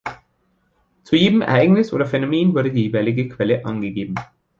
Zu jedem Ereignis oder Phänomen wurde die jeweilige Quelle angegeben.